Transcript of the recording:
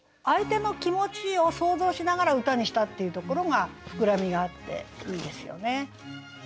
相手の気持ちを想像しながら歌にしたっていうところが膨らみがあっていいですよね。